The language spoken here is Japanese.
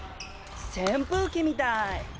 扇風機みたい。